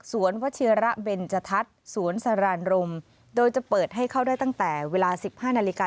วัชิระเบนจทัศน์สวนสรานรมโดยจะเปิดให้เข้าได้ตั้งแต่เวลา๑๕นาฬิกา